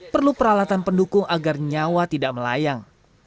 perlu peralatan pendukung agar nyawa tidak melayang